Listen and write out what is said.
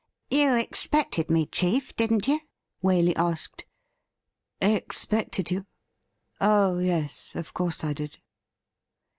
' You expected me, chief, didn't you ?' Waley asked. ' Expected you ? Oh yes ; of course I did.'